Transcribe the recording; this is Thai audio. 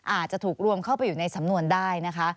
อาจจะถูกรวมเข้าไปอยู่ในสำนวนได้นะคะ